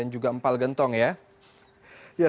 juga empal gentong ya